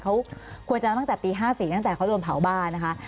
เขาควรจะตั้งแต่ปี๕๔ตั้งแต่เขาโดนเผาบ้านนะคะ